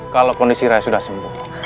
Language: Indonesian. kalau kondisi raya sudah sembuh